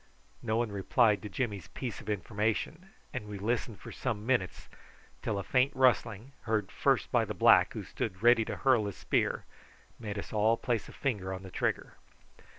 No one replied to Jimmy's piece of information, and we listened for some minutes till a faint rustling, heard first by the black, who stood ready to hurl his spear, made us all place a finger on the trigger.